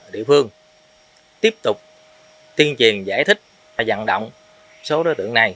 địa phương tiếp tục tiên triền giải thích và giận động số đối tượng này